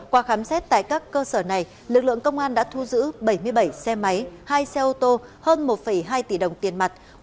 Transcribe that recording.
qua khám xét tại các cơ sở này lực lượng công an đã thu giữ bảy mươi bảy xe máy hai xe ô tô hơn một hai tỷ đồng tiền mặt